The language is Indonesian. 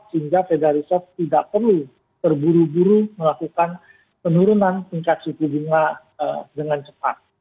sehingga federisasi tidak perlu berburu buru melakukan penurunan tingkat suku bunga dengan cepat